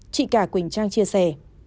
chị cả quỳnh trang chia sẻ